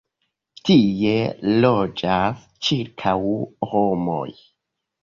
Tie loĝas ĉirkaŭ homoj.